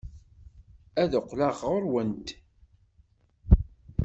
Ad d-qqleɣ ɣer-went.